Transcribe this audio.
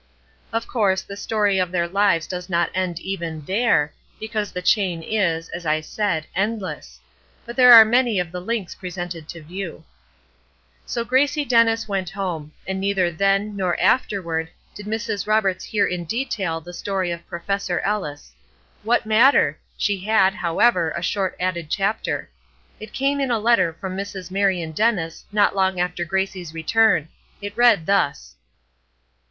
Of course, the story of their lives does not end even there, because the chain is, as I said, endless; but there are many of the links presented to view. So Grace Dennis went home. And neither then, nor afterward, did Mrs. Roberts hear in detail the story of Professor Ellis. What matter? She had, however, a short added chapter. It came in a letter from Mrs. Marion Dennis not long after Gracie's return. It read thus.